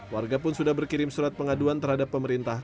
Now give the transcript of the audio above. warga pun sudah berkirim surat pengaduan terhadap pemerintah